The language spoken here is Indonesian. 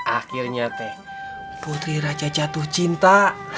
akhirnya teh putri raja jatuh cinta